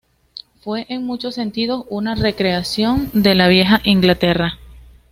Fue en muchos sentidos, una recreación de la vieja Inglaterra.